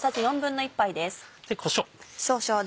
こしょう。